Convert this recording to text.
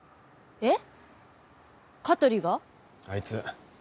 えっ？